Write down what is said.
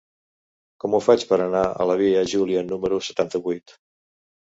Com ho faig per anar a la via Júlia número setanta-vuit?